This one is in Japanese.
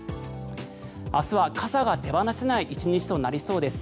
明日は傘が手放せない１日となりそうです。